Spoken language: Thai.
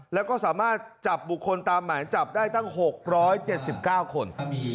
แล้วก็สามารถจับบุคคลตามหมายจับได้ตั้ง๖๗๙คน